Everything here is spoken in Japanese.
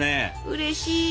うれしい。